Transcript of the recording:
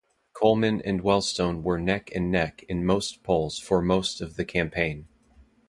Coleman and Wellstone were neck-and-neck in most polls for most of the campaign.